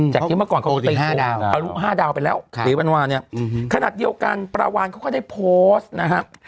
จากที่เมื่อก่อนเขาเอาลูก๕ดาวน์ไปแล้วศรีพันวาเนี่ยขนาดเดียวกันปลาวานก็ได้โพสต์นะครับ